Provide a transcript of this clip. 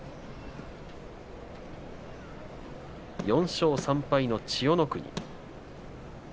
４勝３敗の千代の国。